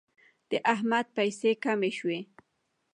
د احمد پیسې کمې شوې.